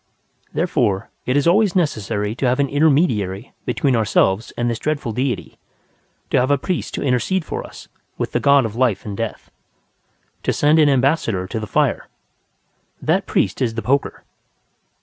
Therefore, it is always necessary to have an intermediary between ourselves and this dreadful deity; to have a priest to intercede for us with the god of life and death; to send an ambassador to the fire. That priest is the poker.